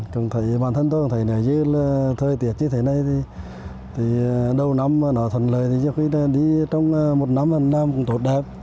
cần thấy bản thân tôi cần thấy thời tiết như thế này đầu năm nó thuận lợi trong một năm cũng tốt đẹp